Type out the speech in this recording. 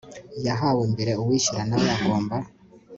yahawe mbere uwishyura nawe agomba